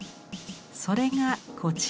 それがこちら。